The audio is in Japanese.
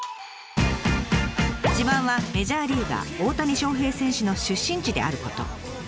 自慢はメジャーリーガー大谷翔平選手の出身地であること。